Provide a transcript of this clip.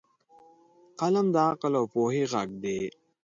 قلم د عقل او پوهې غږ دی